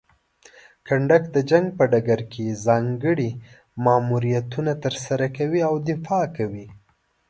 کنډک د جنګ په ډګر کې ځانګړي ماموریتونه ترسره کوي او دفاع کوي.